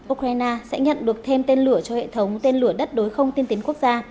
ukraine sẽ nhận được thêm tên lửa cho hệ thống tên lửa đất đối không tiên tiến quốc gia